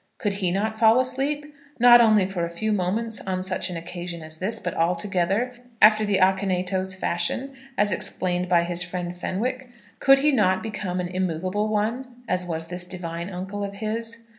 Could he not fall asleep, not only for a few moments on such an occasion as this, but altogether, after the Akinetos fashion, as explained by his friend Fenwick? Could he not become an immoveable one, as was this divine uncle of his?